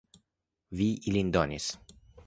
Vi ilin donis.